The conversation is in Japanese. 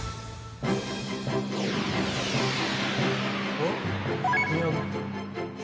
おっ。